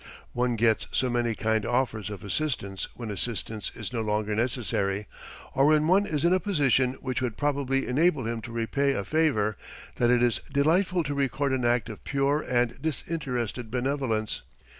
One gets so many kind offers of assistance when assistance is no longer necessary, or when one is in a position which would probably enable him to repay a favor, that it is delightful to record an act of pure and disinterested benevolence.